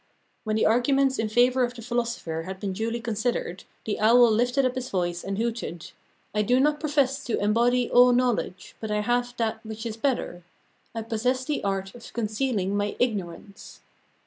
When the arguments in favor of the Philosopher had been duly considered, the Owl lifted up his voice and hooted: "I do not profess to embody all knowledge, but I have that which is better. I possess the art of concealing my ignorance."